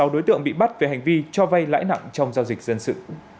một mươi sáu đối tượng bị bắt về hành vi cho vay lãi nặng trong giao dịch dân sự